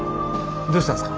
どうしたんですか？